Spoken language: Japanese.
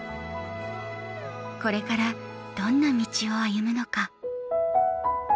これからどんな道を歩むのか。